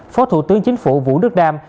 phó thủ tướng chính phủ vũ đức đam